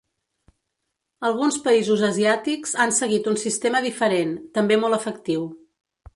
Alguns països asiàtics han seguit un sistema diferent, també molt efectiu.